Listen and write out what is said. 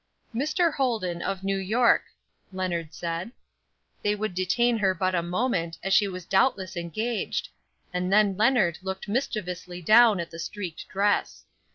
"Mr. Holden, of New York," Leonard said. "They would detain her but a moment, as she was doubtless engaged;" and then Leonard looked mischievously down at the streaked dress.